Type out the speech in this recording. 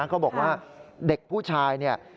เขาบอกว่าเด็กผู้ชาย